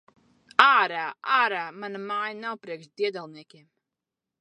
Ārā! Ārā! Mana māja nav priekš diedelniekiem!